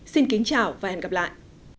xin kính chào và hẹn gặp lại